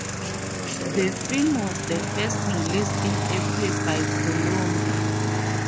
The film was the first release in April by Columbia.